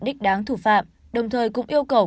đích đáng thủ phạm đồng thời cũng yêu cầu